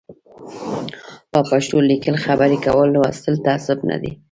په پښتو لیکل خبري کول لوستل تعصب نه دی